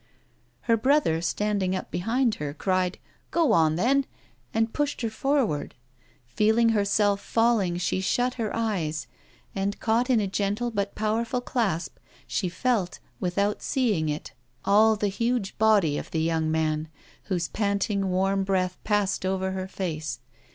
Her brother standing up behind her, cried: "Go on then!" and pushed her forward. Feeling herself falling she shut her eyes, and, caught in a gentle but powerful clasp, she felt, without seeing it, all the huge body of the young man, whose panting warm breath passed over her face.